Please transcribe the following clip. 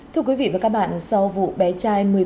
thưa quý vị và các bạn sau vụ bé trai